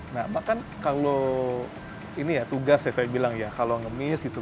nah maka kalau ini ya tugas ya saya bilang ya kalau ngemis gitu